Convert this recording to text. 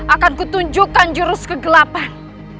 akan ku tunjukkan jurus kegelapan